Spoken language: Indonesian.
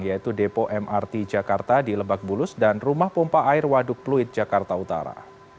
yaitu depo mrt jakarta di lebak bulus dan rumah pompa air waduk pluit jakarta utara